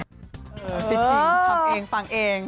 จริงทำเองฟังเอง